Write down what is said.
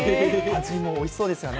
味もおいしそうですよね。